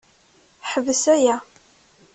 Ḥbes aya!